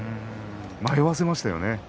迷わせましたよね。